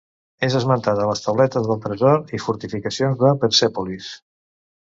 És esmentat a les tauletes del tresor i fortificacions de Persèpolis.